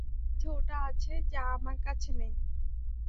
তার কাছে ওটা আছে যা আমার কাছে নেই।